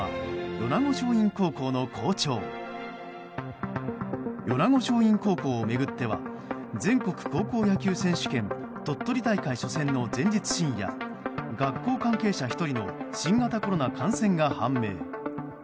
米子松蔭高校を巡っては全国高校野球選手権鳥取県大会初戦の前日深夜、学校関係者１人の新型コロナ感染が判明。